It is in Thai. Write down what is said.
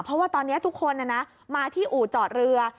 เพราะว่าตอนนี้ทุกคนมาที่อู่จอดเรือ